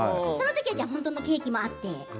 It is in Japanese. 本当のケーキもあって？